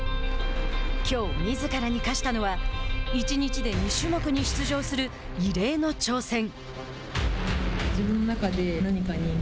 きょう、みずからに課したのは１日で２種目に出場する異例の挑戦。